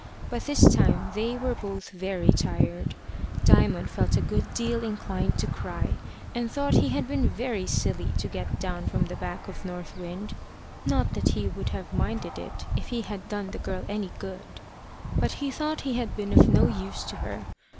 By this time they were both very tired. Diamond felt a good deal inclined to cry, and thought he had been very silly to get down from the back of North Wind; not that he would have minded it if he had done the girl any good; but he thought he had been of no use to her.